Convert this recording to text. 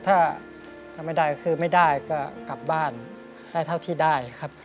ถ้าถ้าไม่ได้คือไม่ได้ก็กลับบ้านได้เท่าที่ได้ครับ